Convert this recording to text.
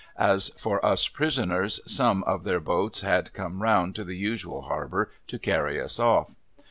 As for us prisoners, some of their boats had come round to the usual harbour, to carrj' us off.